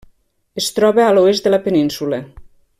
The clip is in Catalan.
Es troba a l'oest de la península.